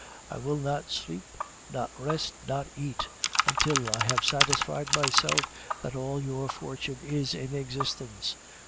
I will not sleep, nor rest, nor eat until I have satisfied myself that all your fortune is in existence.